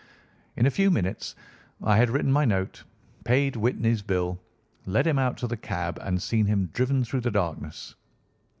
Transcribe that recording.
In a few minutes I had written my note, paid Whitney's bill, led him out to the cab, and seen him driven through the darkness.